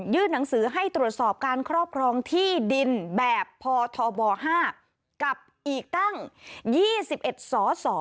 หนังสือให้ตรวจสอบการครอบครองที่ดินแบบพทบ๕กับอีกตั้ง๒๑สส